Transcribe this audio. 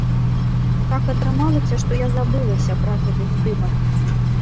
Так атрымалася, што я забылася пра гэты здымак.